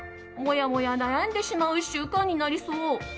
もやもや悩んでしまう１週間になりそう。